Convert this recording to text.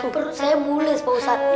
aduh perut saya mulis pak ustadz